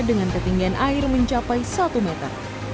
dengan ketinggian air mencapai satu meter